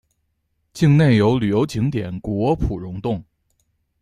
境内有旅游景点谷窝普熔洞。